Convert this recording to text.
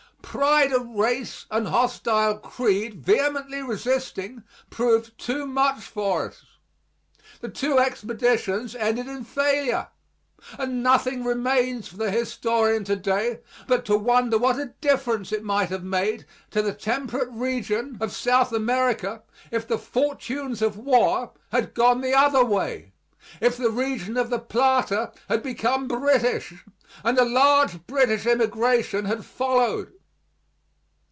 Pride of race and hostile creed vehemently resisting, proved too much for us. The two expeditions ended in failure, and nothing remains for the historian of to day but to wonder what a difference it might have made to the temperate region of South America if the fortune of war had gone the other way, if the region of the Plata had become British, and a large British immigration had followed.